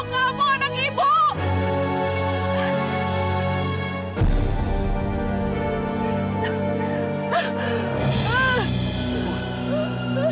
kamu anak ibu